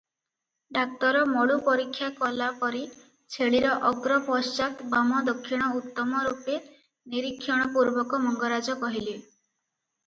"ଡାକ୍ତର ମଳୁ ପରୀକ୍ଷା କଲାପରି ଛେଳିର ଅଗ୍ର ପଶ୍ଚାତ ବାମ ଦକ୍ଷିଣ ଉତ୍ତମରୂପେ ନିରୀକ୍ଷଣପୁର୍ବକ ମଙ୍ଗରାଜ କହିଲେ।